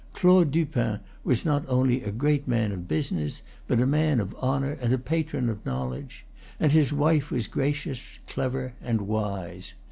Claude Dupin was not only a great man of business, but a man of honor and a patron of knowledge; and his wife was gracious, clever, and wise.